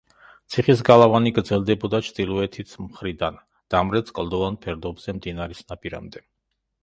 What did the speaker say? ციხის გალავანი გრძელდებოდა ჩრდილოეთით მხრიდან, დამრეც კლდოვან ფერდობზე, მდინარის ნაპირამდე.